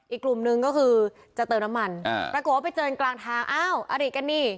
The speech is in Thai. อีกกลุ่มนึงก็คือจะเติมน้ำมันปรากฏว่าไปเจอกลางทางอ้าวอริกันนี่